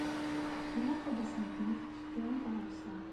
Ilaq ad asent-nefk kra n tɣawsa.